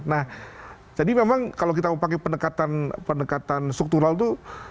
nah jadi memang kalau kita pakai pendekatan struktural itu